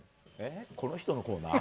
この人のコーナー？